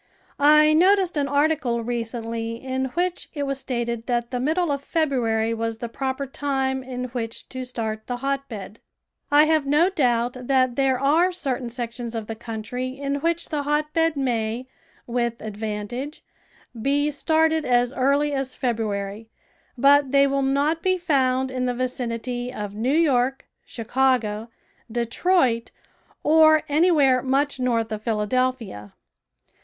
I noticed an article recently in which it was stated that the middle of February was the proper time in which to start the hotbed. I have no doubt that there are certain sections of the country in which the hotbed may, with advantage, be started as early as February, but they will not be found in the vicinity of New York, Chicago, Detroit, or anywhere much north of Philadelphia.